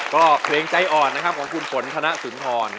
ก็เพลงใจอ่อนของคุณฝนธานสนทร